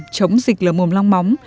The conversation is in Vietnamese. chống dịch lở mồm long móng